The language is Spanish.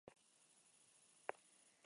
Ha obtenido una medalla de bronce.